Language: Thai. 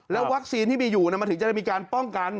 วัคซีนที่มีอยู่มันถึงจะได้มีการป้องกัน